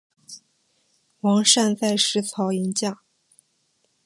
王掞在石槽迎驾。